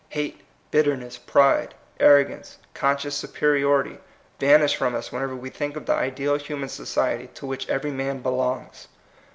Hate, bitterness, pride, arrogance, con scious superiority, vanish from us when ever we think of the ideal human society to which every man belongs.